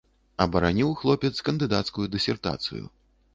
Абараніў хлопец кандыдацкую дысертацыю.